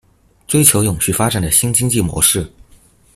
追求永續發展的新經濟模式